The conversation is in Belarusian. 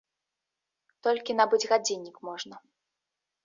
Толькі набыць гадзіннік можна.